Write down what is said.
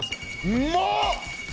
うまっ！